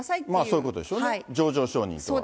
そういうことでしょうね、情状証人とは。